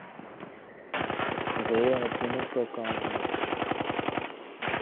گویا حکومت کا کام ہے۔